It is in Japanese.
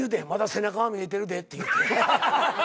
背中が見えてるでって言うて。